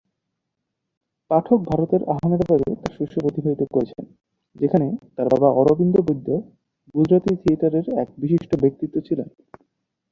পাঠক ভারতের আহমেদাবাদে তাঁর শৈশব অতিবাহিত করেছেন, যেখানে তাঁর বাবা অরবিন্দ বৈদ্য গুজরাতি থিয়েটারের এক বিশিষ্ট ব্যক্তিত্ব ছিলেন।